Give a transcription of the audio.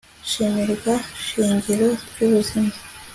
shimirwa shingiro ry'ubuzima